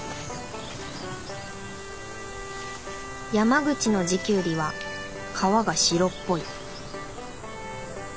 山口の地キュウリは皮が白っぽい。